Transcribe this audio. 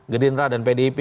gerindra dan pdip